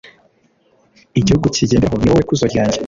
igihugu kigenderaho ni wowe kuzo ryanjye